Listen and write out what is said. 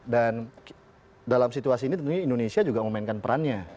dan dalam situasi ini tentunya indonesia juga memainkan perannya